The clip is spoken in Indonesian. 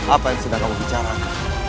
apa yang sedang kamu bicarakan